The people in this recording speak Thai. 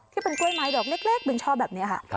ที่เป็นกล้วยไม้ดอกเล็กบึงชอบแบบนี้ค่ะ